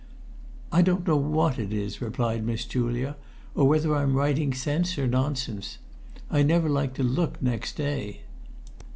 "I don't know what it is," replied Miss Julia, "or whether I'm writing sense or nonsense. I never like to look next day.